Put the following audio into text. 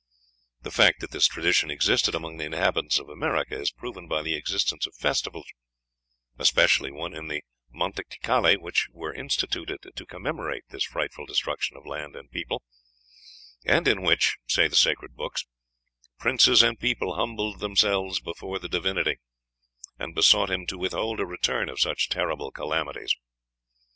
The fact that this tradition existed among the inhabitants of America is proven by the existence of festivals, "especially one in the month Izcalli, which were instituted to commemorate this frightful destruction of land and people, and in which, say the sacred books, 'princes and people humbled themselves before the divinity, and besought him to withhold a return of such terrible calamities.'"